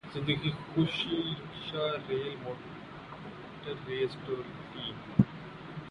زندگی خوشی رکشا ریل موٹریں ڈولی